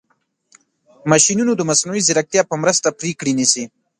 ماشینونه د مصنوعي ځیرکتیا په مرسته پرېکړې نیسي.